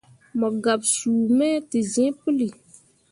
Mo gaɓsuu me te zĩĩ puli.